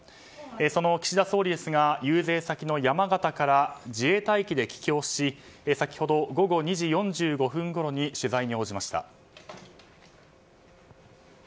その岸田総理ですが遊説先の山形から自衛隊機で帰京し先ほど午後２時４５分ごろに取材に応じました。